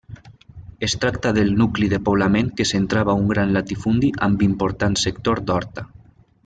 Es tracta del nucli de poblament que centrava un gran latifundi amb important sector d'horta.